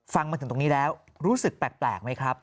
มาถึงตรงนี้แล้วรู้สึกแปลกไหมครับ